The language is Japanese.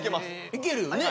いけるよね。